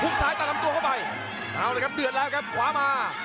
ซ้ายตัดลำตัวเข้าไปเอาเลยครับเดือดแล้วครับขวามา